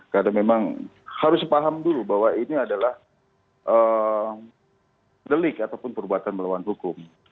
karena memang harus paham dulu bahwa ini adalah delik ataupun perbuatan melawan hukum